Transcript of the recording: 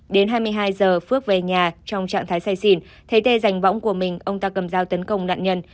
đến hai mươi hai giờ phước về nhà trong trạng thái say xỉn thấy tê giành võng của mình ông ta cầm dao tấn công nạn nhân